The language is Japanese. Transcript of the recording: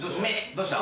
どうした？